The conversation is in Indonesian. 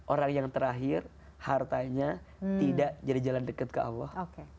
orang yang terakhir hartanya tidak jadi jalan dekat ke allah